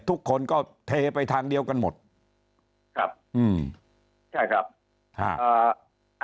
ทุกคนก็เทไปทางเดียวกันหมดครับอืมใช่ครับอ่า